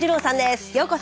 ようこそ！